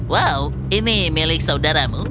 wow ini milik saudaramu